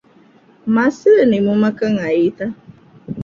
މައްސަލަ ނިމުމަކަށް އައީތަ؟